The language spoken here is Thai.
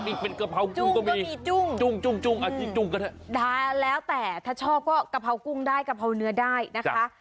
นี่เป็นกระเพรากุ้งก็มีจุ้งกระเพรากุ้งก็มีจุ้งกระเพราเนื้อได้นะคะ